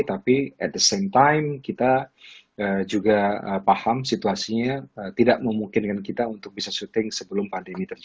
tapi at the same time kita juga paham situasinya tidak memungkinkan kita untuk bisa syuting sebelum pandemi terjadi